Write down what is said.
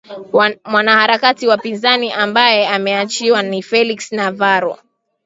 mwanaharakati wapinzani ambaye ameachiwa ni felix navaro